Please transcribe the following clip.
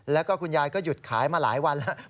แล้วก็คุณยายก็หยุดขายมาหลายวันแล้ว